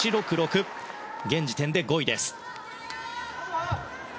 現時点で５位です。